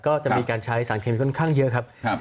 ก็จะมีการใช้สารเคมีค่อนข้างเยอะครับ